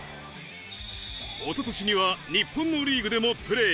おととしには日本のリーグでもプレー。